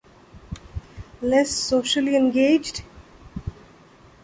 Less Socially Engaged?